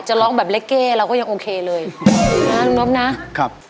ร้องแบบเล็กเก้เราก็ยังโอเคเลยนะลุงนบนะครับ